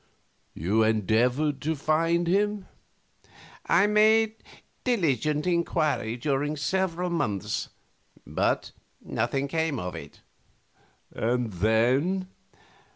Q. You endeavored to find him? A. I made diligent inquiry during several months, but nothing came of it. Q. And then?